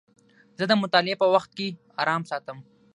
زه د مطالعې په وخت کې ارام ساتم.